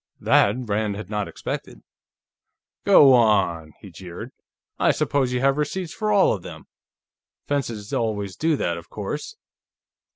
That Rand had not expected. "Go on!" he jeered. "I suppose you have receipts for all of them. Fences always do that, of course."